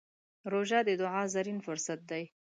روژه د دعا زرين فرصت دی.